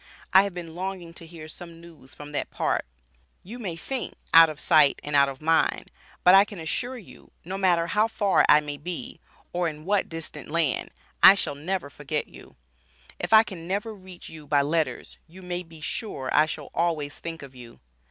I have been longing to hear some news from that part, you may think "Out of sight and out of mind," but I can assure you, no matter how far I may be, or in what distant land, I shall never forget you, if I can never reach you by letters you may be sure I shall always think of you.